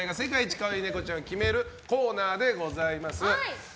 かわいいネコちゃんを決めるコーナーでございます。